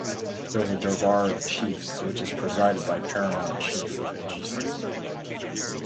There is durbar of chiefs which is presided by paramount chief of Ejisu.